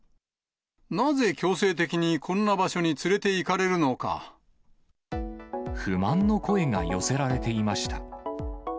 なぜ強制的にこんな場所に連不満の声が寄せられていました。